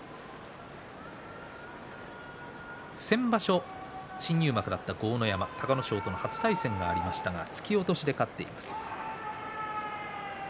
先場所、新入幕だった豪ノ山隆の勝との初対戦がありましたが突き落としで勝っています。